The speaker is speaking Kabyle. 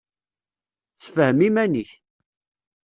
Sefhem iman-ik.